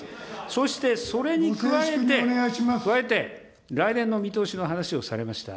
そしてそれに加えて、加えて、来年の見通しの話をされました。